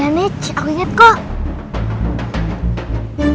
iya nek aku inget kok